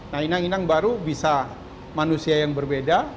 nah inang inang baru bisa manusia yang berbeda